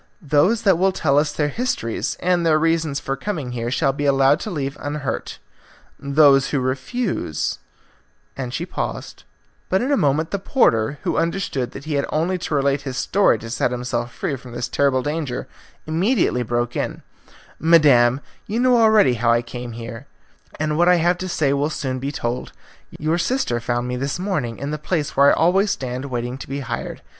Those that will tell us their histories and their reasons for coming here shall be allowed to leave unhurt; those who refuse " And she paused, but in a moment the porter, who understood that he had only to relate his story to set himself free from this terrible danger, immediately broke in, "Madam, you know already how I came here, and what I have to say will soon be told. Your sister found me this morning in the place where I always stand waiting to be hired.